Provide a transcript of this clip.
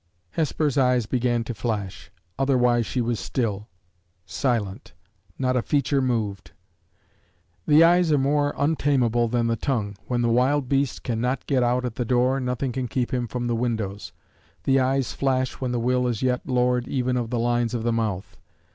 Hesper's eyes began to flash. Otherwise she was still silent not a feature moved. The eyes are more untamable than the tongue. When the wild beast can not get out at the door, nothing can keep him from the windows. The eyes flash when the will is yet lord even of the lines of the mouth.